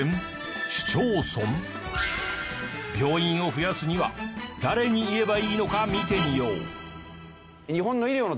病院を増やすには誰に言えばいいのか見てみよう。